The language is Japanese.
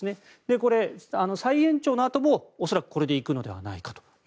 これ、再延長のあとも恐らくこれで行くのではないかと。